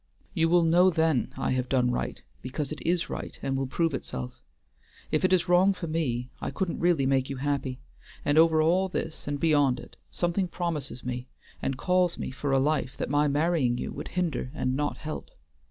You will know then I have done right because it is right and will prove itself. If it is wrong for me I couldn't really make you happy; and over all this and beyond it something promises me and calls me for a life that my marrying you would hinder and not help.